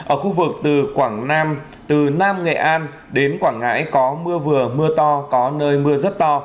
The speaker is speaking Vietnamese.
ở khu vực từ quảng nam từ nam nghệ an đến quảng ngãi có mưa vừa mưa to có nơi mưa rất to